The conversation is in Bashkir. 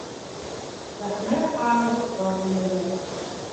Сәхнә ҡараңғылыҡҡа күмелә.